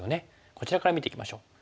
こちらから見ていきましょう。